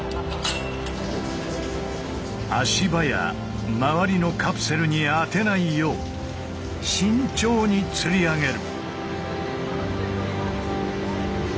足場や周りのカプセルに当てないよう慎重に吊り上げる。